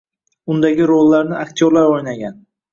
Undagi rollarni aktyorlar oʻynagan...